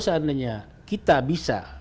seandainya kita bisa